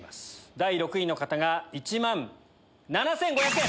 第６位の方が１万７５００円。